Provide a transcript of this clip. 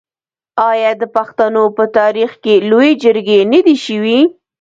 آیا د پښتنو په تاریخ کې لویې جرګې نه دي شوي؟